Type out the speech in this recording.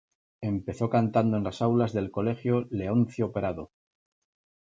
Empezó cantando en las aulas del colegio Leoncio Prado.